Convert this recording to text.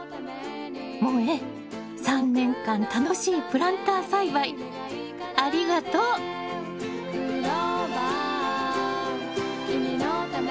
もえ３年間楽しいプランター栽培ありがとう！